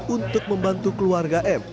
untuk membantu keluarga m